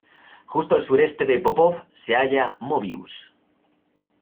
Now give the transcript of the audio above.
Justo al sureste de Popov se halla Möbius.